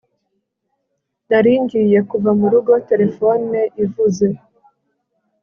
nari ngiye kuva mu rugo telefone ivuze